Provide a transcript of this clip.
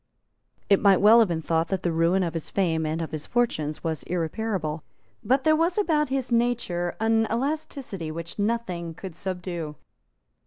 It might well have been thought that the ruin of his fame and of his fortunes was irreparable. But there was about his nature an elasticity which nothing could subdue.